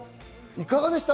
いかがでしたか？